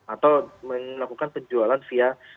atau melakukan penjualan via